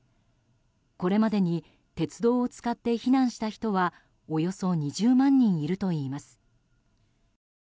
これまでに鉄道を使って避難した人はおよそ２０万人いるといいます。